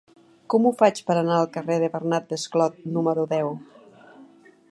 Com ho faig per anar al carrer de Bernat Desclot número deu?